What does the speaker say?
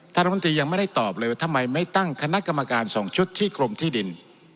รัฐมนตรียังไม่ได้ตอบเลยว่าทำไมไม่ตั้งคณะกรรมการ๒ชุดที่กรมที่ดิน